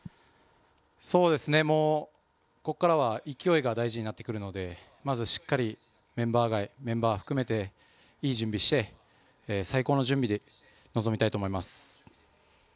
ここからは勢いが大事になってくるのでまず、しっかりメンバー外、メンバー含めていい準備して、最高の準備で臨みたいと思います。